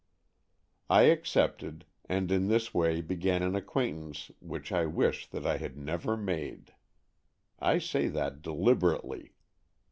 I accepted, and in this way began an acquaintance which I wish that I had never made. I say that deliberately.